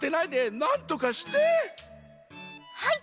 はい！